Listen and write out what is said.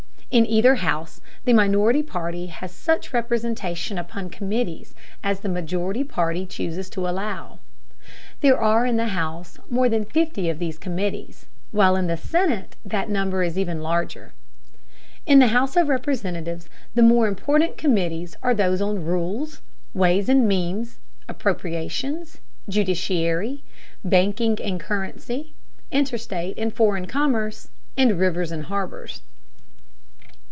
In either house, the minority party has such representation upon committees as the majority party chooses to allow. There are in the House more than fifty of these committees, while in the Senate the number is even larger. In the House of Representatives the more important committees are those on rules, ways and means, appropriations, judiciary, banking and currency, interstate and foreign commerce, and rivers and harbors.